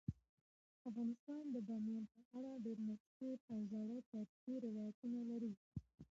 افغانستان د بامیان په اړه ډیر مشهور او زاړه تاریخی روایتونه لري.